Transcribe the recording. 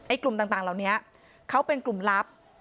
ไอ้กลุ่มต่างเขาเป็นกลุ่มลับ